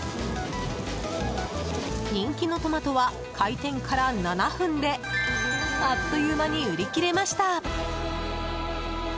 人気のトマトは開店から７分であっという間に売り切れました。